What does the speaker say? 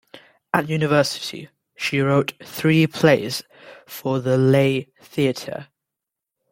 At university she wrote three plays for the lay theatre.